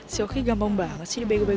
sioki gampang banget sih dibego begoin